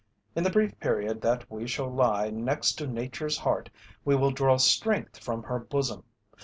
In the brief period that we shall lie next to nature's heart we will draw strength from her bosom.